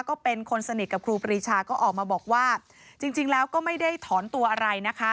ก็เป็นคนสนิทกับครูปรีชาก็ออกมาบอกว่าจริงแล้วก็ไม่ได้ถอนตัวอะไรนะคะ